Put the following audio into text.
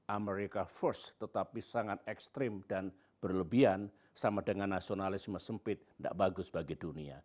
amerika first tetapi sangat ekstrim dan berlebihan sama dengan nasionalisme sempit tidak bagus bagi dunia